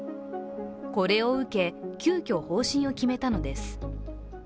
これを受け急きょ方針を決めたのです。